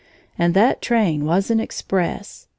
And that train was an express!